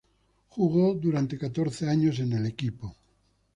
Jugó durante catorce años en el equipo.